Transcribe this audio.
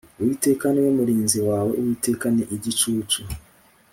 Uwiteka ni we murinzi wawe uwiteka ni igicucu